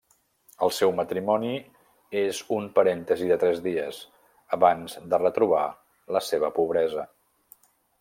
El seu matrimoni és un parèntesi de tres dies, abans de retrobar la seva pobresa.